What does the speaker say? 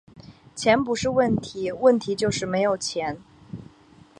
钱不是问题，问题就是没有钱